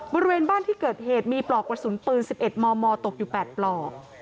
บริเวณบ้านที่เกิดเหตุมีปลอกกระสุนปืน๑๑มมตกอยู่๘ปลอก